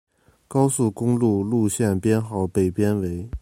高速公路路线编号被编为。